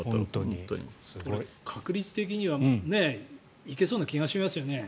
確率的にはいけそうな気がしますよね。